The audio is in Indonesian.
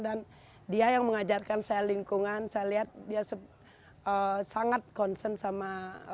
dan dia yang mengajarkan saya lingkungan saya lihat dia sangat konsen sama